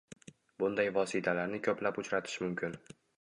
Bunday vositalarni ko’plab uchratish mumkin